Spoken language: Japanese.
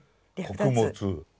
穀物。